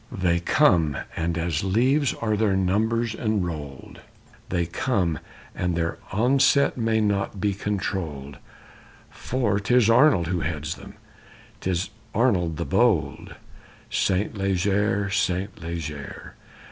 _They come, and as leaves are their numbers enrolled! They come, and their onset may not be controlled, For 'tis Arnold who heads them, 'tis Arnold the bold_ Saint Leger, Saint Leger!